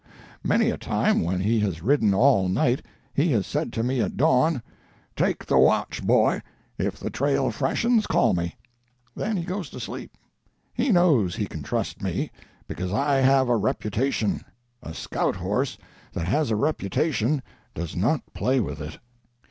Many a time, when he has ridden all night, he has said to me at dawn, "Take the watch, Boy; if the trail freshens, call me." Then he goes to sleep. He knows he can trust me, because I have a reputation. A scout horse that has a reputation does not play with it.